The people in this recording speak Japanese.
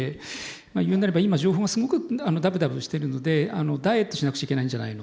言うなれば今情報がすごくダブダブしてるのでダイエットしなくちゃいけないんじゃないのって。